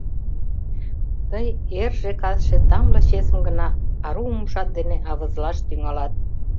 Тый эрже-касше тамле чесым гына ару умшат дене авызлаш тӱҥалат!»